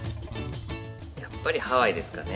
やっぱりハワイですかね。